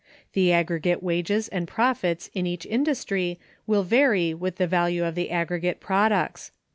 The aggregate wages and profits in each industry will vary with the value of the aggregate products.